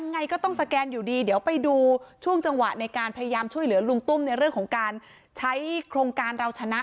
ยังไงก็ต้องสแกนอยู่ดีเดี๋ยวไปดูช่วงจังหวะในการพยายามช่วยเหลือลุงตุ้มในเรื่องของการใช้โครงการเราชนะ